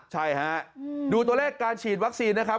ใช่ฮะดูตัวเลขการฉีดวัคซีนนะครับ